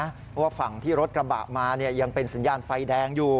เพราะว่าฝั่งที่รถกระบะมายังเป็นสัญญาณไฟแดงอยู่